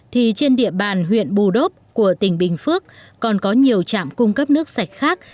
thì trên địa bàn huyện bù đốp của tỉnh bình phước còn có nhiều trạm cung cấp nước sạch khác